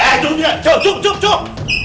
eh cukup gak cukup cukup